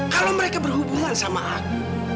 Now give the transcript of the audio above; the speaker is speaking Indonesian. kalau mereka berhubungan sama aku